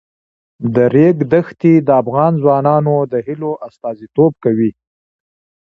د ریګ دښتې د افغان ځوانانو د هیلو استازیتوب کوي.